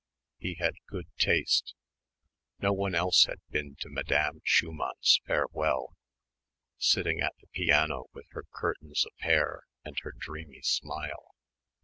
He had good taste. No one else had been to Madame Schumann's Farewell ... sitting at the piano with her curtains of hair and her dreamy smile